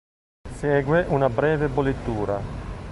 Segue una breve bollitura.